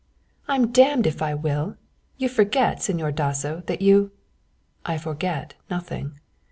"I'm damned if I will you forget, Señor Dasso, that you " "I forget nothing.